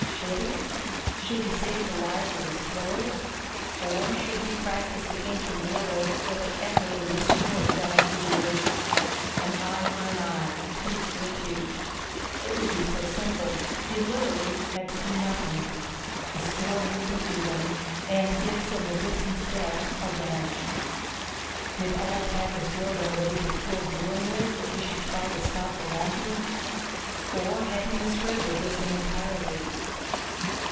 Should he? Should he save the lives of his killers? Or should he practice the ancient blood oath that had echoed and destroyed down through the ages: An eye for an eye, a tooth for a tooth. It would be so simple. He literally had to do nothing. The score would be even, and his and the Disans' death avenged. Did Ulv have his blowgun ready to kill Brion with, if he should try to stop the launchings? Or had he misread the Disan entirely?